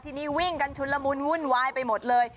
ทีนี้วิ่งกันชุนละมุนวุ่นวายไปหมดเลย